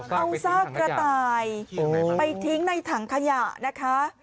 เอาซากกระต่ายไปทิ้งในถังขยะนะคะ